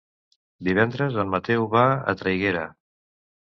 Divendres en Mateu va a Traiguera.